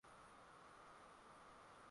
kwa mwaka Ni miongoni mwa mashimo yaliyo katika